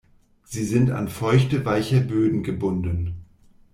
Sie sind an feuchte weiche Böden gebunden.